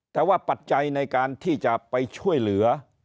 แต่ว่าปัจจัยในการที่จะไปช่วยเหลือ